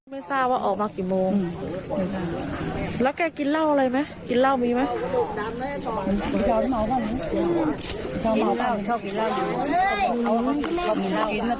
และก็ไม่รู้ว่าไม่รู้ว่าออกมากี่โมง